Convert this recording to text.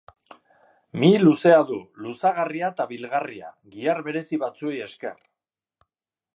Mihi luzea du, luzagarria eta bilgarria, gihar berezi batzuei esker.